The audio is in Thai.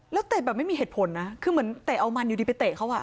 แล้วเตะแบบไม่มีเหตุผลนะคือเหมือนเตะเอามันอยู่ดีไปเตะเขาอ่ะ